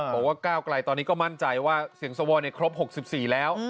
บอกว่าก้าวไกลตอนนี้ก็มั่นใจว่าเสียงสวครบ๖๔แล้ว